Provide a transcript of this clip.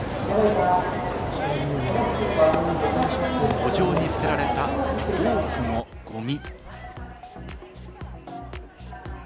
路上に捨てられた多くのゴミ。